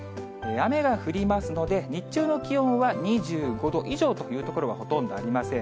雨が降りますので、日中の気温は２５度以上という所はほとんどありません。